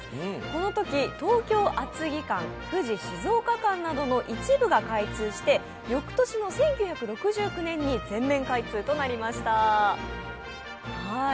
このとき、東京、厚木間富士、静岡間などの一部が開通して、翌年の１９６９年に全面開通となりました。